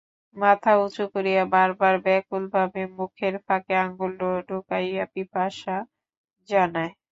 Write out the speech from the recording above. মাথা উচু করিয়া বারবার ব্যাকুলভাবে মুখের ফাঁকে আঙুল ঢুকাইয়া পিপাসা জানায়।